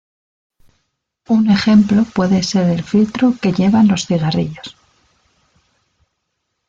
Un ejemplo puede ser el filtro que llevan los cigarrillos.